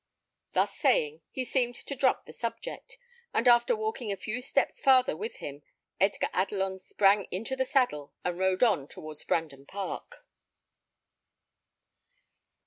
Thus saying, he seemed to drop the subject; and after walking a few steps farther with him, Edgar Adelon sprang into the saddle, and rode on towards Brandon Park.